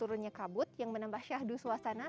momen turunnya kabut yang menambah syahadu suasana